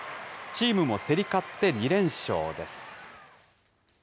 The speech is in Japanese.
チームも競り勝って２連勝です。